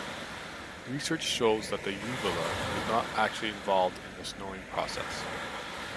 Research shows that the uvula is not actually involved in the snoring process.